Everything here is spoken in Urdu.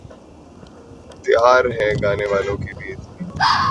تیار ہیں گانے والوں کی بھی اتنی ہی تعریف کی جائے علی ظفر